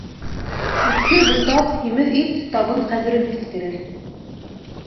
Үткер бысаҡ, һимеҙ ит, табын ҡәҙерен килтерер.